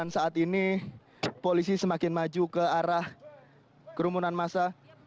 dan saat ini polisi semakin maju ke arah kerumunan masa